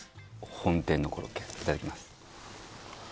本店のコロッケいただきます